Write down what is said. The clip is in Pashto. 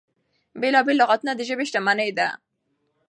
بېلا بېل لغتونه د ژبې شتمني ده.